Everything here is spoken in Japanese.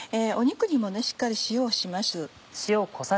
肉にもしっかり塩をします。